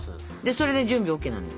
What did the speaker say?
それで準備ＯＫなのよ。